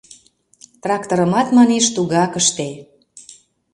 Тракторымат, манеш, тугак ыште.